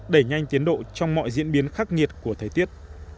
đẩy nhanh tiến độ trong mọi diễn biến khắc nghiệt của thời tiết